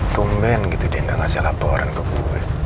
tumben gitu dia nggak ngasih laporan ke bu